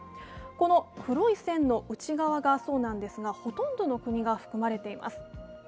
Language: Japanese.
この黒い線の内側がそうなんですが、ほとんどの国が含まれています。